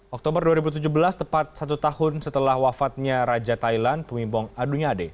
oktober dua ribu tujuh belas tepat satu tahun setelah wafatnya raja thailand pumipong adunyade